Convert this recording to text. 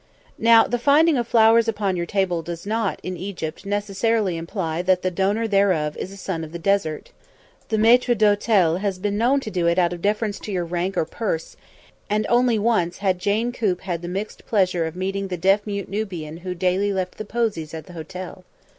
Now, the finding of flowers upon your table does not, in Egypt, necessarily imply that the donor thereof is a son of the desert; the maître d'hôtel has been known to do it out of deference to your rank or purse; and only once had Jane Coop had the mixed pleasure of meeting the deaf mute Nubian who daily left the posies at the hotel.